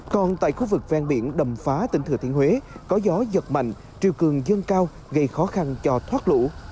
còn tại khu vực ven biển đầm phá tỉnh thừa thiên huế có gió giật mạnh triều cường dân cao gây khó khăn cho thoát lũ